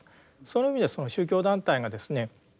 その意味ではその宗教団体がですね